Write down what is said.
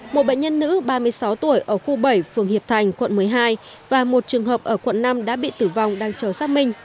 một bệnh nhân nữ ba mươi sáu tuổi ở khu bảy phường hiệp thành quận một mươi hai và một trường hợp ở quận năm đã bị tử vong đang chờ xác minh